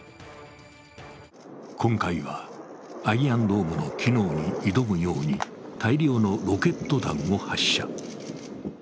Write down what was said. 今回はアイアンドームの機能に挑むように大量のロケット弾を発射。